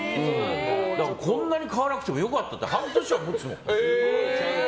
こんなに買わなくてもよかった半年はもつもん。